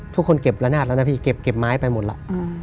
ทุกคนเก็บละนาดแล้วนะพี่เก็บไม้ไปหมดแล้ว